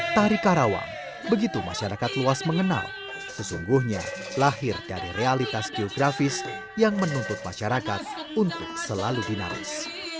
tari karawang begitu masyarakat luas mengenal sesungguhnya lahir dari realitas geografis yang menuntut masyarakat untuk selalu dinamis